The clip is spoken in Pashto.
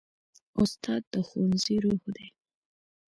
استاد د ښوونځي روح دی.